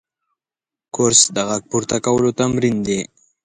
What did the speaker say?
کورس د غږ پورته کولو تمرین دی.